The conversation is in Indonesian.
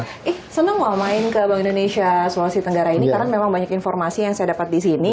eh seneng ngomongin ke bank indonesia sulawesi tenggara ini karena memang banyak informasi yang saya dapat disini